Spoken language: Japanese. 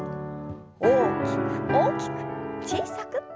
大きく大きく小さく。